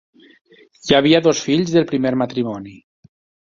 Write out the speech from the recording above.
Hi havia dos fills del primer matrimoni.